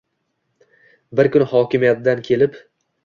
Bir kuni hokimiyatdan kelib